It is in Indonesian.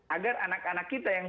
agar anak anak kita yang